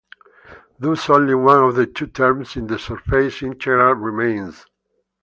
Thus only one of the two terms in the surface integral remains.